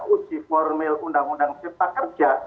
uji formil undang undang cipta kerja